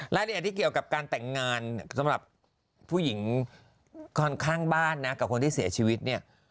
รายละเอียดที่เกี่ยวกับการแต่งงานสำหรับผู้หญิงคนข้างบ้านนะกับคนที่เสียชีวิตเนี่ย